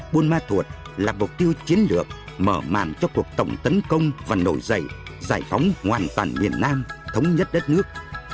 buôn ma thuột là mục tiêu chiến lược mở màn cho cuộc tổng tấn công và nổi dậy giải phóng hoàn toàn miền nam thống nhất đất nước